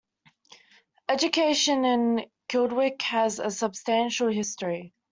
Education in Kildwick has a substantial history.